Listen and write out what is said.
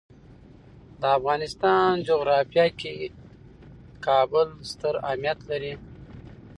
د افغانستان جغرافیه کې کابل ستر اهمیت لري.